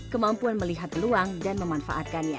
kemampuan melihat peluang dan memanfaatkannya